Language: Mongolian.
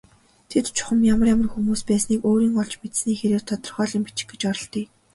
Тэд чухам ямар ямар хүмүүс байсныг өөрийн олж мэдсэний хэрээр тодорхойлон бичих гэж оролдъё.